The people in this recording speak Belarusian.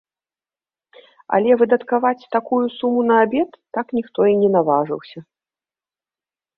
Але выдаткаваць такую суму на абед так ніхто і не наважыўся.